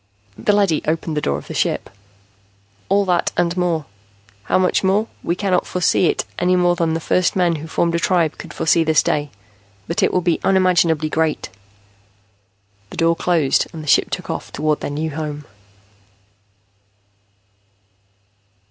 The leady opened the door of the ship. "All that and more. How much more? We cannot foresee it any more than the first men who formed a tribe could foresee this day. But it will be unimaginably great." The door closed and the ship took off toward their new home.